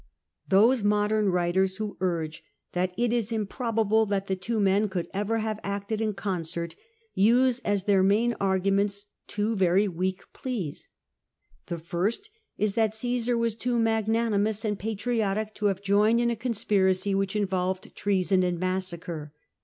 Those modern writers who urge that it is improbable that the two men could ever have acted in concert, use as their main arguments two very weak pleas. The first is that Ccesar was too magnanimous and patriotic to have joined in a conspiracy which in volved treason and massacre.